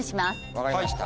分かりました。